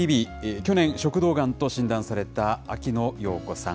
去年、食道がんと診断された秋野暢子さん。